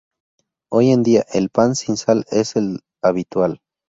Hoy en día, el pan sin sal es el habitual.